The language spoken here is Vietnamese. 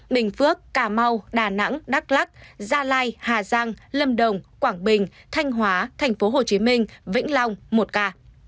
bình phước cà mau đà nẵng đắk lắc gia lai hà giang lâm đồng quảng bình thanh hóa tp hcm vĩnh long một ca